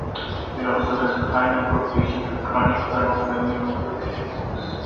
It also has a high number of patients with chronic renal failure related illness.